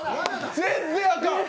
全然あかん！